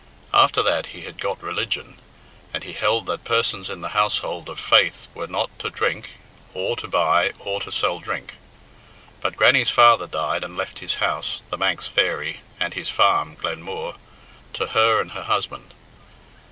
After that he had "got religion," and he held that persons in the household of faith were not to drink, or to buy or to sell drink. But Grannie's father died and left his house, "The Manx Fairy," and his farm, Glenmooar, to her and her husband.